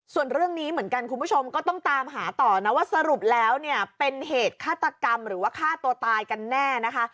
ส่วนเรื่องนี้เหมือนกันคุณผู้ชมก็ต้องตามหาต่อนะว่าสรุปแล้วเนี่ยเป็นเหตุฆาตกรรมหรือว่าฆ่าตัวตายกันแน่นะคะ